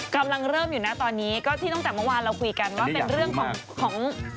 กำลังเริ่มอยู่นะตอนนี้ก็ที่ตั้งแต่เมื่อวานเราคุยกันว่าเป็นเรื่องของของ